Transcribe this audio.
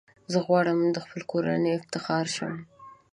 زه غواړم د خپلي کورنۍ افتخار شم .